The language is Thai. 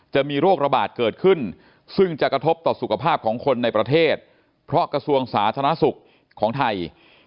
จะมีโรคระบาดเกิดขึ้นซึ่งจะกระทบต่อสุขภาพของคนในประเทศเพราะกระทรวงสาธารณสุขของไทย